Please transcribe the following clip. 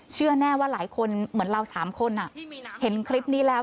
เชื่อแน่ว่าหลายคนเหมือนเรา๓คนเห็นคลิปนี้แล้ว